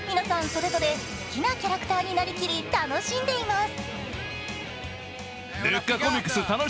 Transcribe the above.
それぞれ好きなキャラクターになりきり楽しんでいます。